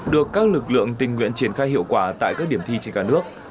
được các lực lượng tình nguyện triển khai hiệu quả tại các điểm thi trên cả nước